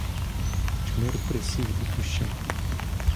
Чмир присів у кущах.